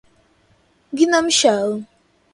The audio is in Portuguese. gnome shell